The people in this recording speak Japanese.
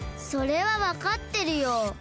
それはわかってるよ。